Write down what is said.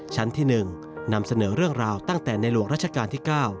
ชั้นที่๑นำเสนอเรื่องราวตั้งแต่ในหลวงราชการที่๙